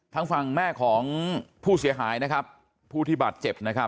ทางฟังแม่ของผู้เสียหายผู้ที่บาดเจ็บ